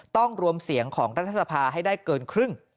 ต้องรวมเสียงของรัฐสภาให้ได้เกินครึ่ง